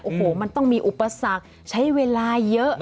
โอ้โหมันต้องมีอุปสรรคใช้เวลาเยอะ